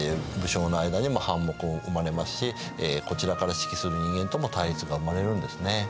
武将の間にも反目が生まれますしこちらから指揮する人間とも対立が生まれるんですね。